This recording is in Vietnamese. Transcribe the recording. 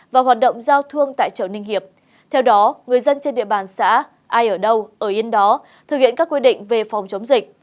và hoạt động giao thương tại chợ ninh hiệp theo đó người dân trên địa bàn xã ai ở đâu ở yên đó thực hiện các quy định về phòng chống dịch